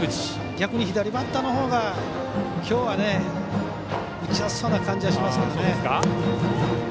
逆に左バッターのほうが今日は打ちやすそうな感じがします。